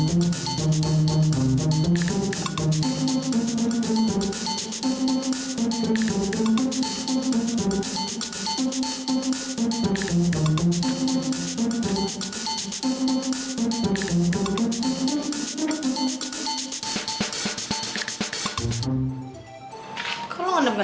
ya harusnya nyantai dong